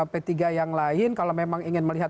p tiga yang lain kalau memang ingin melihat